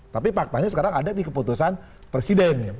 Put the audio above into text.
tapi faktanya sekarang ada di keputusan presiden